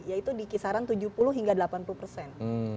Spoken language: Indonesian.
yaitu di kisaran tujuh puluh hingga delapan puluh persen